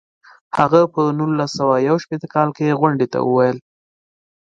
هغه په نولس سوه یو شپیته کال کې غونډې ته وویل.